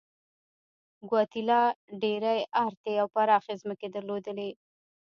ګواتیلا ډېرې ارتې او پراخې ځمکې درلودلې.